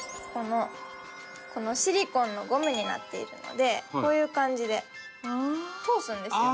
シリコンのゴムになっているのでこういう感じで通すんですよ。